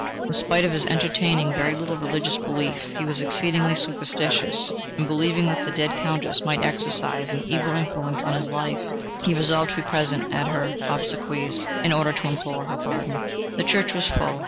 In spite of his entertaining very little religious belief, he was exceedingly superstitious; and believing that the dead Countess might exercise an evil influence on his life, he resolved to be present at her obsequies in order to implore her pardon. The church was full.